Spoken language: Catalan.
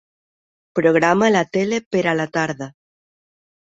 Programa la tele per a la tarda.